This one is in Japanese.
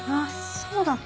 そうだっけ？